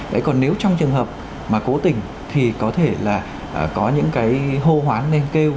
đấy còn nếu trong trường hợp mà cố tình thì có thể là có những cái hô hoán nên kêu